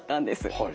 はい。